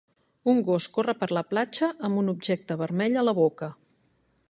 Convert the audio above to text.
Un gos corre per la platja amb un objecte vermell a la boca.